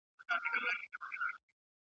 په خپل عقل او په پوهه دنیادار یې !.